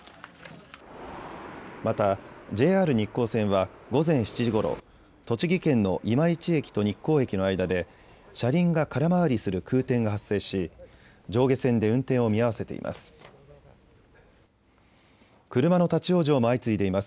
またＪＲ日光線は午前７時ごろ栃木県の今市駅と日光駅の間で車輪が空回りする空転が発生し上下線で運転を見合わせています。